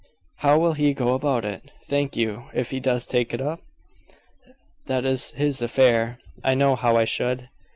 "How will he go about it, think you, if he does take it up?" "That is his affair. I know how I should."